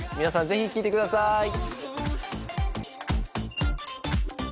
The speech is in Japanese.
皆さんぜひ聴いてください